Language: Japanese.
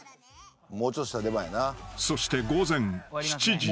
［そして午前７時３０分］